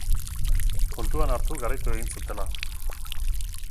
Kontuan hartu garaitu egin zutela.